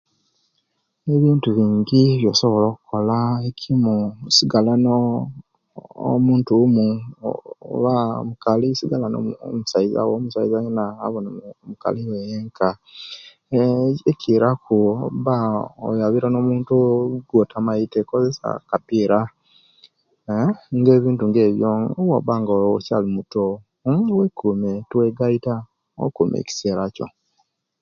Ebintu bingi ebyosobola okukola ekimo kusigala noo omuntu owumo oba omukali sigara no' masaiza wo omusaiza yena abenga no'mukali wo yenka eeh ekiraku obanga oyabirana no'muntu gwotamaite okozesya akapira eeh nga ebintu nga ebyo owobanga okyali muto mmm wekuume tewegaita okuume ekisera kyo.